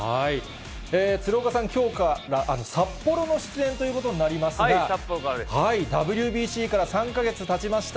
鶴岡さん、きょうから札幌の出演ということになりますが、ＷＢＣから３か月たちました。